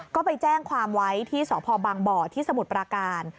ก็ไปแจ้งความไว้ที่สพบางบ่อที่สมุทรปราการ